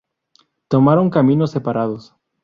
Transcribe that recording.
Tomaron caminos separados.